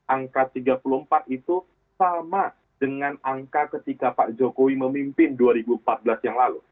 angka tiga puluh empat itu sama dengan angka ketika pak jokowi memimpin dua ribu empat belas yang lalu